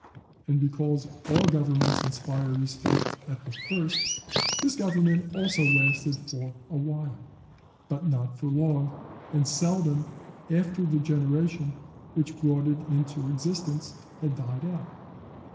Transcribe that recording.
And because all governments inspire respect at the first, this government also lasted for a while, but not for long, and seldom after the generation which brought it into existence had died out.